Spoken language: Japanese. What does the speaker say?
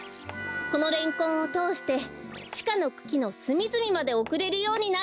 このレンコンをとおしてちかのくきのすみずみまでおくれるようになっているんです。